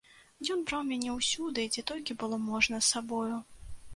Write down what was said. Ён браў мяне ўсюды, дзе толькі было можна, з сабою.